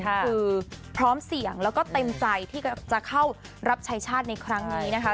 คือพร้อมเสี่ยงแล้วก็เต็มใจที่จะเข้ารับชายชาติในครั้งนี้นะคะ